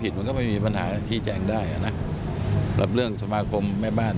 จะตั้งกันเอง๑๕หมู่บ้าน